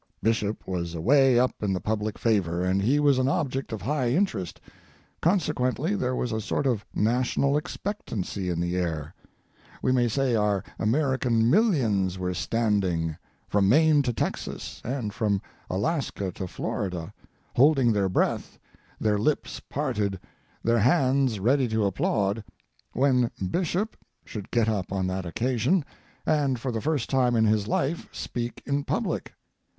Bishop was away up in the public favor, and he was an object of high interest, consequently there was a sort of national expectancy in the air; we may say our American millions were standing, from Maine to Texas and from Alaska to Florida, holding their breath, their lips parted, their hands ready to applaud, when Bishop should get up on that occasion, and for the first time in his life speak in public.